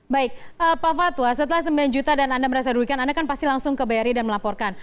baik pak fatwa setelah sembilan juta dan anda merasa dirugikan anda kan pasti langsung ke bri dan melaporkan